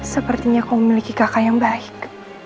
sepertinya kau memiliki kakak yang baik